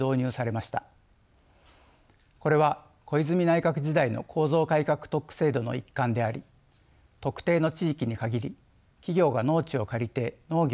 これは小泉内閣時代の構造改革特区制度の一環であり特定の地域にかぎり企業が農地を借りて農業を行えるようにしたものです。